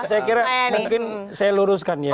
saya kira mungkin saya luruskan ya